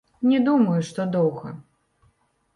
Не думаю, што доўга.